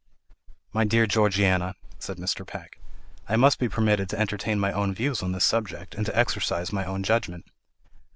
'" "My dear Georgiana," said Mr. Peck, "I must be permitted to entertain my own views on this subject, and to exercise my own judgment."